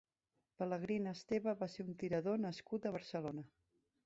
Pelegrín Esteve va ser un tirador nascut a Barcelona.